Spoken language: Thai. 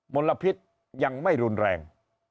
ลพิษยังไม่รุนแรง